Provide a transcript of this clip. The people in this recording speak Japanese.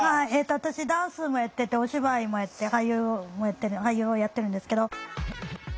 私ダンスもやっててお芝居もやって俳優をやってるんですけど。